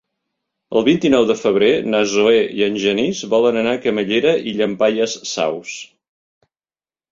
El vint-i-nou de febrer na Zoè i en Genís volen anar a Camallera i Llampaies Saus.